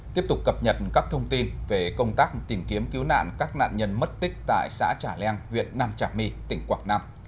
tiếp tục cập nhật các thông tin về công tác tìm kiếm cứu nạn các nạn nhân mất tích tại xã trà leng huyện nam trà my tỉnh quảng nam